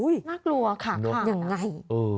น่ากลัวขาขาด